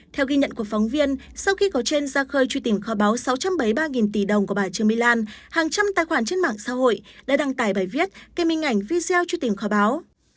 theo ghi nhận của phóng viên sau khi có trên ra khơi truy tìm kho báo sáu trăm bảy mươi ba tỷ đồng của bà trương mỹ lan hàng trăm tài khoản trên mạng xã hội đã đăng tải bài viết kèm hình ảnh video truy tìm kho báo